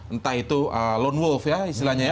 entah itu lone wolf ya istilahnya ya